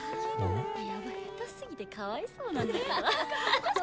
やば下手すぎてかわいそうなんだけど。